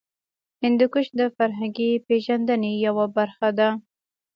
هندوکش د فرهنګي پیژندنې یوه برخه ده.